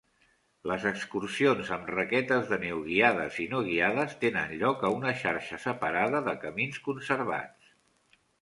Les excursions amb raquetes de neu guiades i no guiades tenen lloc a una xarxa separada de camins conservats.